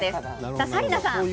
さあ、紗理奈さん